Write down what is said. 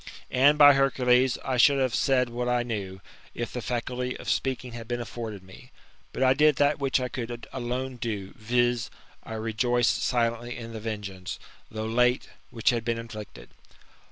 And, by Hercules, I should have said what I knew, if the faculty of speaking had been afforded me. > But I did that which I could alone do, viz. I rejoiced silently in the venegeance, though late,, which had been inflicted.